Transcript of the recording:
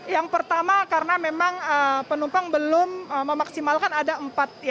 yang pertama karena memang penumpang belum memaksimalkan ada empat